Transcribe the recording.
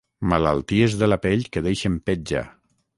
Malalties de la pell que deixen petja.